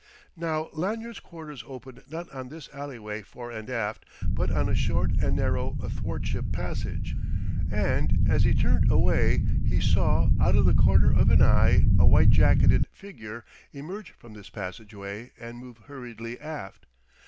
Now Lanyard's quarters opened not on this alleyway fore and aft but on a short and narrow athwartship passage. And as he turned away he saw out of the corner of an eye a white jacketed figure emerge from this passageway and move hurriedly aft.